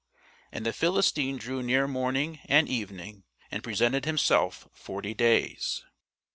And the Philistine drew near morning and evening, and presented himself forty days.